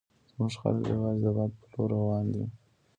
زموږ خلک یوازې د باد په لور روان وي.